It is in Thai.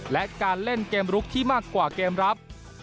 และการเล่นเกมลุกที่มากกว่าเกมรับ